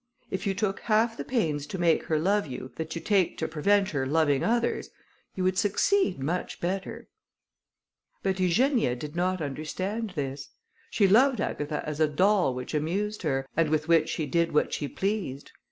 If you took half the pains to make her love you, that you take to prevent her loving others, you would succeed much better." But Eugenia did not understand this. She loved Agatha as a doll which amused her, and with which she did what she pleased.